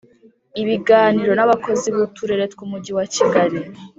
Ibiganiro n abakozi b Uturere tw Umujyi wa Kigali